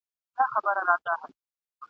په قدم د سپېلني به د رڼا پر لوري ځمه ..